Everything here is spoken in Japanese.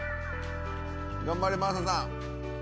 頑張れ真麻さん。